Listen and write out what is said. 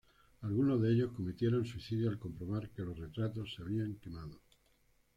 Algunos de ellos cometieron suicidio al comprobar que los retratos se habían quemado.